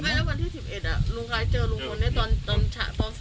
วันที่๑๑ลุงคล้ายเจอลุงพลในตอนที่๓